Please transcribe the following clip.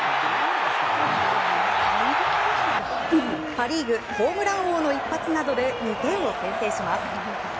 パ・リーグホームラン王の一発などで２点を先制します。